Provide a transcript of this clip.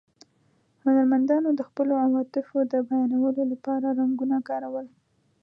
هنرمندانو د خپلو عواطفو د بیانولو له پاره رنګونه کارول.